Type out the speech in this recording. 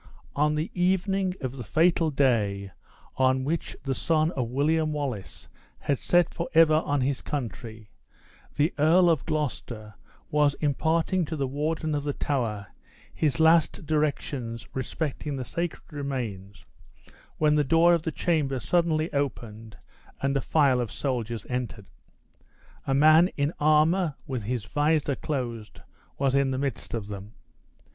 On the evening of the fatal day in which the sun of William Wallace had set forever on his country, the Earl of Gloucester was imparting to the Warden of the Tower his last directions respecting the sacred remains, when the door of the chamber suddenly opened, and a file of soldiers entered. A man in armor, with his visor closed, was in the midst of them.